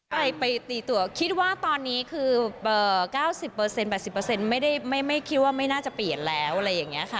ไปไปตีตั๋วคิดว่าตอนนี้คือเอ่อเก้าสิบเปอร์เซ็นต์แบบสิบเปอร์เซ็นต์ไม่ได้ไม่ไม่คิดว่าไม่น่าจะเปลี่ยนแล้วอะไรอย่างเงี้ยค่ะ